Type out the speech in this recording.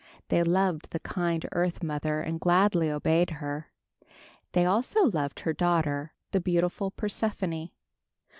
They loved the kind earth mother and gladly obeyed her. They also loved her daughter, the beautiful Persephone.